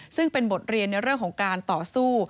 ซึ่งเป็นบทเรียนในเรื่องของการต่อสู้